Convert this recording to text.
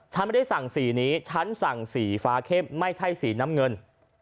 ฉันไม่ได้สั่งสีนี้ฉันสั่งสีฟ้าเข้มไม่ใช่สีน้ำเงิน